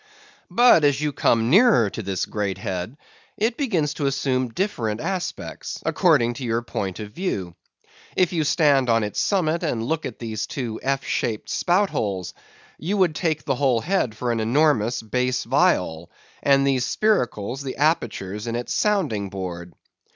But as you come nearer to this great head it begins to assume different aspects, according to your point of view. If you stand on its summit and look at these two F shaped spoutholes, you would take the whole head for an enormous bass viol, and these spiracles, the apertures in its sounding board.